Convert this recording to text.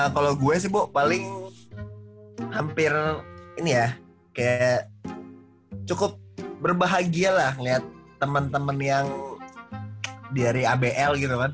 kalau gue sih bu paling hampir ini ya kayak cukup berbahagia lah ngeliat temen temen yang dari abl gitu kan